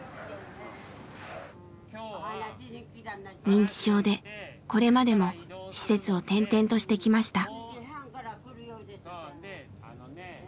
認知症でこれまでも施設を転々としてきました。